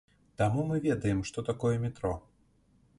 Таму мы ведаем, што такое метро.